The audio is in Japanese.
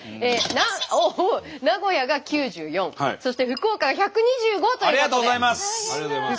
名古屋が９４そして福岡が１２５ということで。